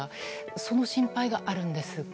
その心配があるんですが。